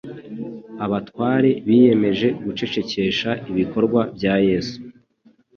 abatware biyemeje gucecekesha ibikorwa bya Yesu.